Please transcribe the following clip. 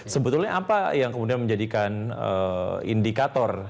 sebetulnya apa yang kemudian menjadikan indikator